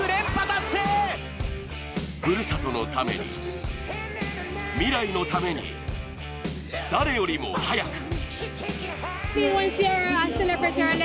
ふるさとのために、未来のために、誰よりも速く。